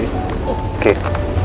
kau mau ngapain